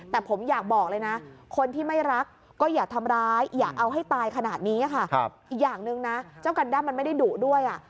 แต่ผมอยากบอกเลยนะคนที่ไม่รักก็อย่าทำร้ายอย่าเอาให้ตายขนาดนี้ค่ะอีกอย่างหนึ่งนะเจ้ากันด้ำมันไม่ได้ดุด้วย